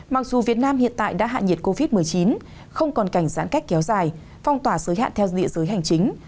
mặc dù việt nam hiện tại đã hạ nhiệt covid một mươi chín không còn cảnh giãn cách kéo dài phong tỏa giới hạn theo địa giới hành chính